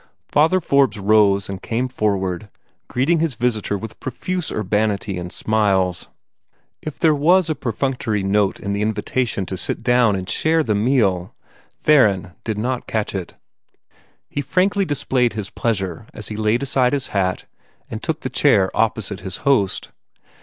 Father Forbes rose and came forward, greeting his visitor with profuse urbanity and smiles. If there was a perfunctory note in the invitation to sit down and share the meal, Theron did not catch it. He frankly displayed his pleasure as he laid aside his hat, and took the chair opposite his host.